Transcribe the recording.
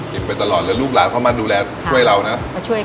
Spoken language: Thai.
กินไปตลอดแล้วลูกหลานเข้ามาดูแลช่วยเรานะมาช่วยกัน